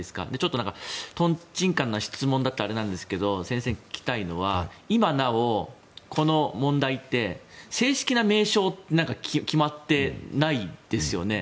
とんちんかんな質問だったらあれなんですけど先生に聞きたいのは今なおこの問題って正式な名称って決まってないですよね？